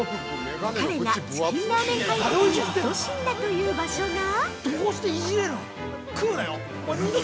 彼がチキンラーメン開発にいそしんだという場所が◆